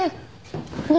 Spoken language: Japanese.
何？